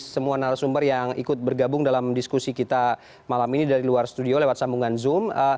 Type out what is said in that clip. semua narasumber yang ikut bergabung dalam diskusi kita malam ini dari luar studio lewat sambungan zoom